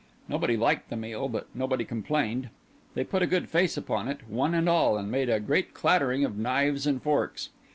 Nobody liked the meal, but nobody complained; they put a good face upon it, one and all, and made a great clattering of knives and forks.